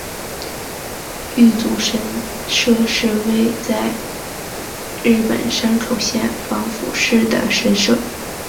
玉祖神社是位在日本山口县防府市的神社。